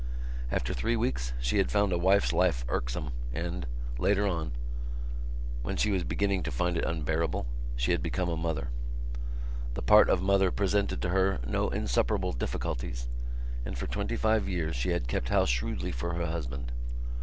After three weeks she had found a wife's life irksome and, later on, when she was beginning to find it unbearable, she had become a mother. The part of mother presented to her no insuperable difficulties and for twenty five years she had kept house shrewdly for her husband.